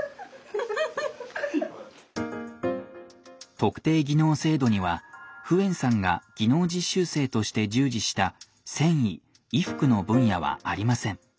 特定技能制度にはフエンさんが技能実習生として従事した繊維・衣服の分野はありません。